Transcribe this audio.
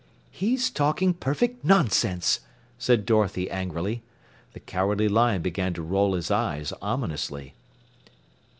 "He's talking perfect nonsense," said Dorothy angrily. The Cowardly Lion began to roll his eyes ominously.